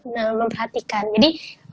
nah memperhatikan jadi